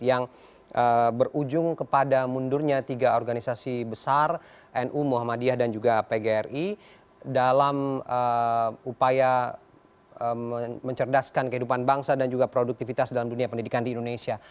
yang berujung kepada mundurnya tiga organisasi besar nu muhammadiyah dan juga pgri dalam upaya mencerdaskan kehidupan bangsa dan juga produktivitas dalam dunia pendidikan di indonesia